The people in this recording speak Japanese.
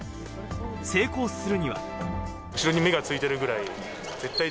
成功するには。